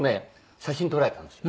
写真撮られたんですよ。